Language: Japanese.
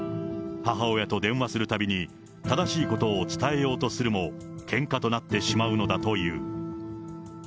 母親と電話するたびに、正しいことを伝えようとするも、けんかとなってしまうのだという。